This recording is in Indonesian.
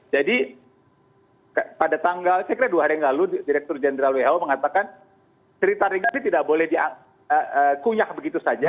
jadi pada tanggal saya kira dua hari yang lalu direktur jenderal who mengatakan cerita ringan ini tidak boleh dikunyah begitu saja